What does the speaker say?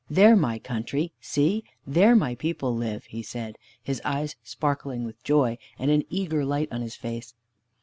"There my country! See! There my people live!" he said, his eyes sparkling with joy, and an eager light on his face.